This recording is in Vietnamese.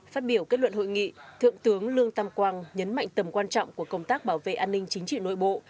phát biểu kết luận hội nghị thượng tướng lương tam quang nhấn mạnh tầm quan trọng của công tác bảo vệ an ninh chính trị nội bộ